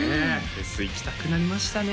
フェス行きたくなりましたね